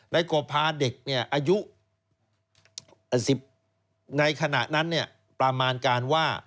กบพาเด็กอายุในขณะนั้นประมาณการว่า